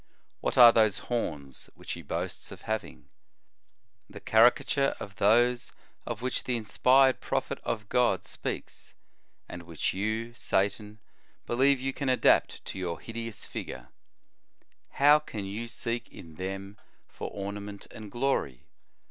What are those horns which he boasts of having ? The caricature of those of which the inspired prophet of God speaks, and which you, Satan, believe you can adapt to your hide ous figure. How can you seek in them for ornament and glory?